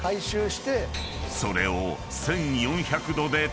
［それを］